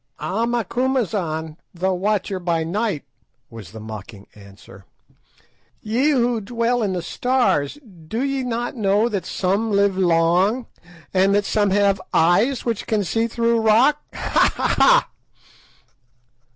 "Ah, Macumazahn, the watcher by night," was the mocking answer, "ye who dwell in the stars, do ye not know that some live long, and that some have eyes which can see through rock? _Ha! ha! ha!